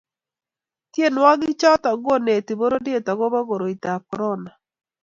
Tienwokik choto koneti pororiet agobo koroitab korona